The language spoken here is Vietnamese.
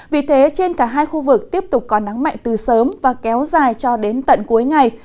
vì thế trên cả hai khu vực tiếp tục có nắng mạnh từ sớm và kéo dài cho đến tận cuối ngày